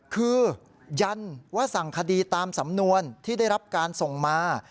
คือยันว่าสั่งคดีตามสำนวนที่ได้รับการส่งมา